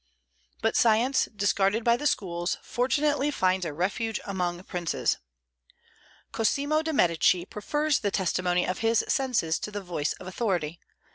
But science, discarded by the schools, fortunately finds a refuge among princes. Cosimo de' Medici prefers the testimony of his senses to the voice of authority.